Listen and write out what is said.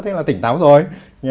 thế là tỉnh táo rồi